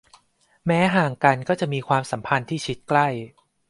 แม้ห่างกันก็จะมีความสัมพันธ์ที่ชิดใกล้